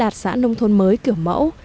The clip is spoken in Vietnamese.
một xã đạt xã nông thôn mới kiểu mẫu